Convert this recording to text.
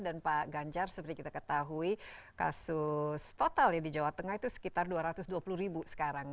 dan pak ganjar seperti kita ketahui kasus total di jawa tengah itu sekitar dua ratus dua puluh ribu sekarang